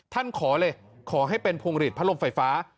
ขอเลยขอให้เป็นพวงหลีดพัดลมไฟฟ้า